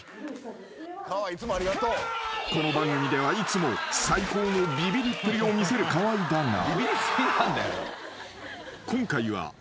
［この番組ではいつも最高のビビりっぷりを見せる河井だが］